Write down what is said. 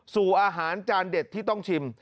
สู่อาหารจานเด็ดที่ต้องชิม